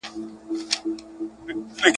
په غوجل کي چي تړلی نیلی آس وو ,